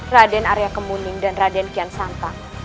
raden arya kemuning dan raden kian santa